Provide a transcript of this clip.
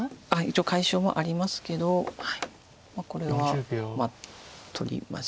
一応解消はありますけどこれは取りまして。